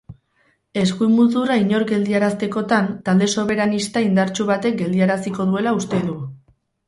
Eskuin muturra inork geldiaraztekotan, talde soberanista indartsu batek geldiaraziko duela uste du.